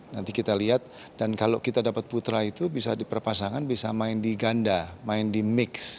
nanti kita lihat dan kalau kita dapat putra itu bisa diperpasangan bisa main di ganda main di mix